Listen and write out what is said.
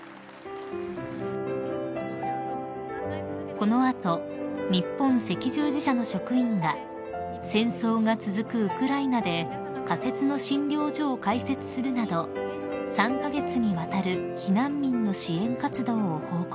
［この後日本赤十字社の職員が戦争が続くウクライナで仮設の診療所を開設するなど３カ月にわたる避難民の支援活動を報告］